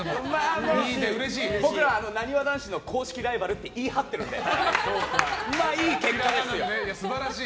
僕ら、なにわ男子の公式ライバルって言い張ってるのでいい結果ですよ。